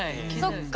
そっか。